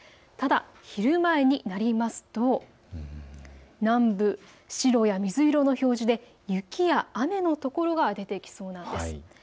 ただ昼前によりますと南部、白や水色の表示で雪や雨の所が出てきそうなんです。